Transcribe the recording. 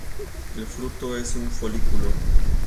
El fruto es un folículo.